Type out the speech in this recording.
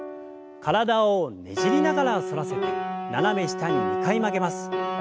体をねじりながら反らせて斜め下に２回曲げます。